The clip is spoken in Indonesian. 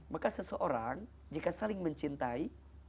maka seseorang jika saling mencintai